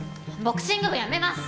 ボクシング部やめます！